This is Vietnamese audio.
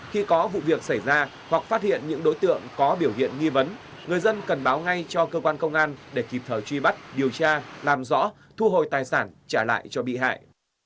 hoặc phát hiện những đối tượng có biểu hiện nghi vấn người dân cần báo ngay cho cơ quan công an để kịp thời truy bắt điều tra làm rõ thu hồi tài sản trả lại cho bị hại